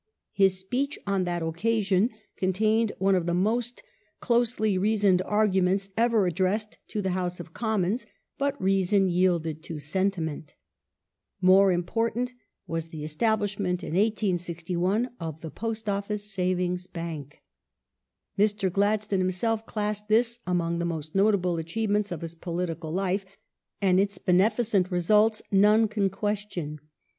His speech on that occasion contained one of the most closely reasoned arguments ever addressed to the House of The Post Commons, but reason yielded to sentiment. More important was Savings ^^^ establishment, in 1861, of the Post Office Savings Bank. Mr. Bank Gladstone himself classed this among the most notable achieve ments of his political life, and its beneficent results none can question.